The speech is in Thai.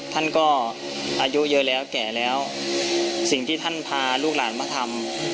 ท่านก็อายุเยอะแล้วแก่แล้วสิ่งที่ท่านพาลูกหลานมาทำ